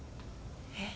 えっ？